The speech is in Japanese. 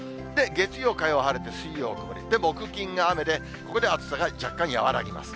月曜、火曜、晴れて、水曜曇り、木、金が雨で、ここで暑さが若干和らぎます。